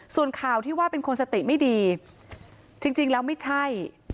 ส่วนข่าวที่ว่าเป็นคนสติไม่ดีจริงแล้วไม่ใช่